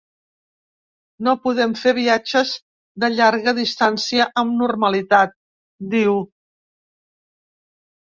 “No podem fer viatges de llarga distància amb normalitat”, diu.